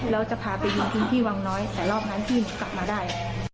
แล้วจะพาไปยิงพื้นที่วังน้อยแต่รอบนั้นพี่กลับมาได้